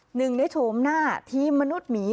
หนึ่งในโฉมหน้าทีมมนุษย์หมี